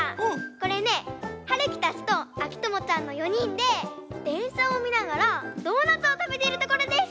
これねはるきたちとあきともちゃんの４にんででんしゃをみながらドーナツをたべてるところです！